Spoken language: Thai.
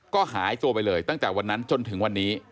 ก็หายตัวไปเลยตั้งแต่วันนั้นจนถึงวันนี้